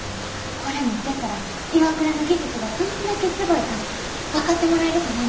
これ持ってったらＩＷＡＫＵＲＡの技術がどんだけすごいか分かってもらえるかな思て。